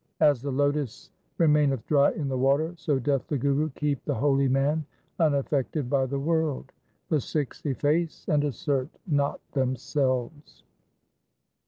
As the lotus remaineth dry in the water, so doth the Guru keep the holy man unaffected by the world. The Sikhs efface and assert not themselves.